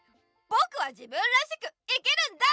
ぼくは自分らしく生きるんだ！